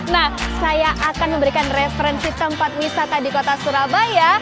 nah saya akan memberikan referensi tempat wisata di kota surabaya